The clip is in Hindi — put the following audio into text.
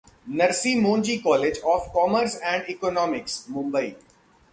Narsi Monjee college of commerce and economics, Mumbai